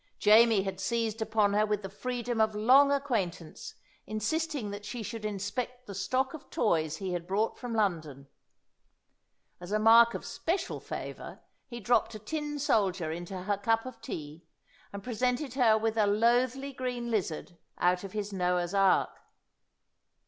Jamie had seized upon her with the freedom of long acquaintance, insisting that she should inspect the stock of toys he had brought from London. As a mark of special favour he dropped a tin soldier into her cup of tea, and presented her with a loathly green lizard out of his Noah's Ark.